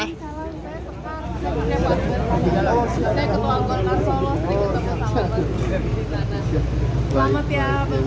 saya ketua golkar solo sering ketemu sama pak